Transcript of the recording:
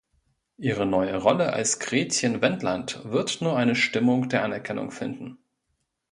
Ihre neue Rolle als Gretchen Wendland wird nur eine Stimmung der Anerkennung finden.